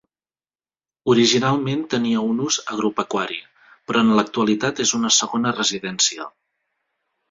Originalment tenia un ús agropecuari, però en l'actualitat és una segona residència.